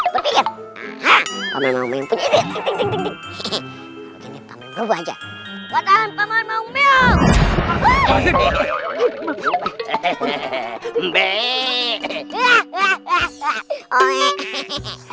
berpikir ha ha memang punya ini ini ini ini ini mau aja wadah manggungnya